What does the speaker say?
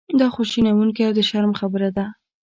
دا خواشینونکې او د شرم خبره ده.